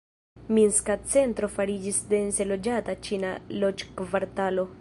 Minska centro fariĝis dense loĝata ĉina loĝkvartalo.